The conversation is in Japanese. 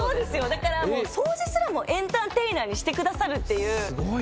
だから掃除すらもエンターテイナーにしてくださるっていう。